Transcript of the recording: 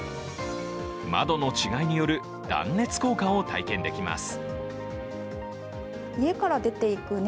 窓の違いによる断熱効果を体験できます。